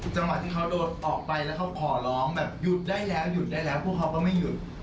จังหวะที่เขาโดนออกไปแล้วเขาขอร้องแบบหยุดได้แล้วหยุดได้แล้วพวกเขาก็ไม่หยุด